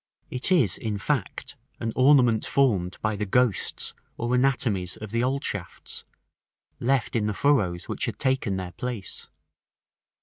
§ VI. It is, in fact, an ornament formed by the ghosts or anatomies of the old shafts, left in the furrows which had taken their place.